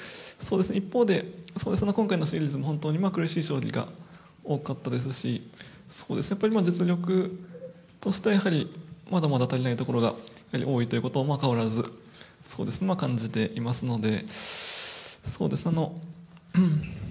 一方で今回のシリーズも本当に苦しい将棋が多かったですし実力として、まだまだ足りないところが多いということは変わらず感じていますので。